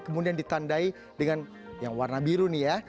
kemudian ditandai dengan yang warna biru nih ya